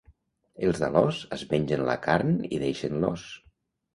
Els d'Alòs es mengen la carn i deixen l'os.